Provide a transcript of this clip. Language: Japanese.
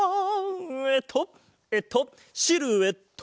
えっとえっとシルエット！